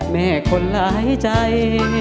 แม่คนหลายใจ